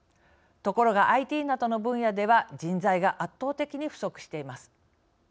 ところが、ＩＴなどの分野では人材が圧倒的に不足しています。